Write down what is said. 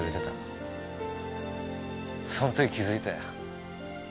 その時気づいたよ。